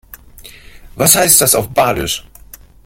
Was heißt das auf Badisch?